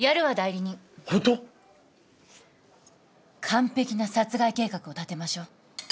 完璧な殺害計画を立てましょう。